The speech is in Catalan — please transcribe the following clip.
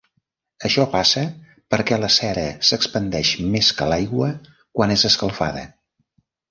Això passa perquè la cera s'expandeix més que l'aigua quan és escalfada.